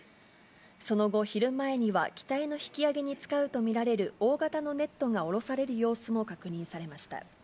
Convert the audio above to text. その後、昼前には機体の引き揚げに使うと見られる大型のネットが降ろされる様子も確認されました。